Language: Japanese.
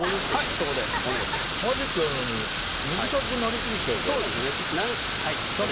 マジックやるのに短くなりすぎちゃうと。